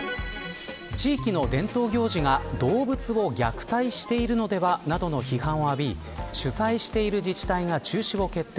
地域の伝統行事が動物を虐待しているのではないかという批判を浴び主催している自治体が中止を決定。